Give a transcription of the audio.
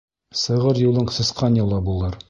Сығыр юлың сысҡан юлы булыр.